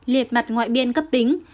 liệt mặt ngoại biên cấp tính